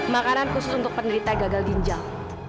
makanan khusus untuk penderita gagal ginjal